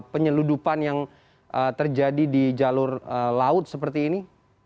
penyeludupan yang terjadi di jalur laut seperti ini